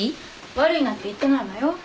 悪いなんて言ってないわよ。